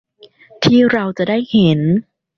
ที่เราจะได้เห็น